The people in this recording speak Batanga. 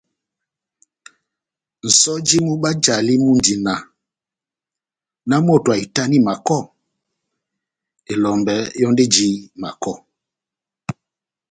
Nʼsɔjo mú bajlali mundi náh : nahámoto ahitani makɔ, elɔmbɛ yɔ́ndi éjani makɔ.